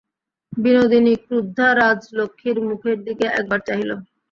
বিনোদিনী ক্রুদ্ধা রাজলক্ষ্মীর মুখের দিকে একবার চাহিল।